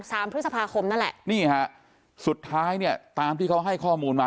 สามพฤษภาคมนั่นแหละนี่ฮะสุดท้ายเนี่ยตามที่เขาให้ข้อมูลมา